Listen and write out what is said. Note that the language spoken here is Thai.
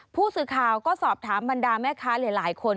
ผู้สื่อข่าวก็สอบถามบรรดาแม่ค้าหลายคน